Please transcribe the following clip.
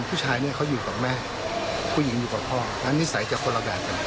ผู้ชายชอบบิ๊กไบท์ชอบเป็นนางแบบ